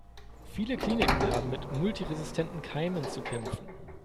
Viele Kliniken haben mit multiresistenten Keimen zu kämpfen.